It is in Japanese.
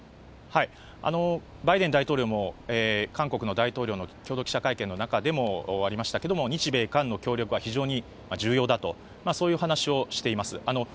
バイデン大統領も韓国の大統領の共同記者会見の中でもありましたけれども、日米韓の協力は非常に重要だと、そういう話はしています。